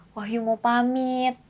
wahyu mau pamit